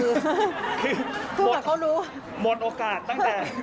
คือคือแบบเขารู้หมดมดโอกาสตั้งแต่